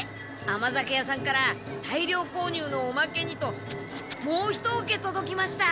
甘酒屋さんから大量購入のおまけにともう一おけとどきました！